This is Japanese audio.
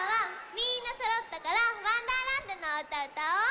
みんなそろったから「わんだーらんど」のおうたうたおう。